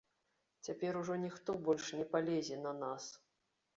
Цяпер ужо ніхто больш не палезе на нас.